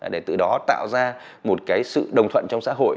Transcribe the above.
để từ đó tạo ra một cái sự đồng thuận trong xã hội